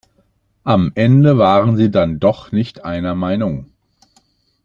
Am Ende waren sie dann doch nicht einer Meinung.